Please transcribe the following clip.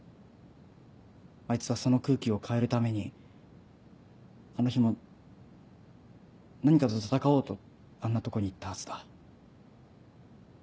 あいつはその空気を変えるためにあの日も何かと闘おうとあんなとこに行ったはずだ。